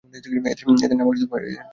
এদের নাম খাতায় টুকে রাখি।